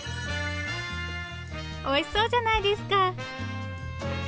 おいしそうじゃないですか！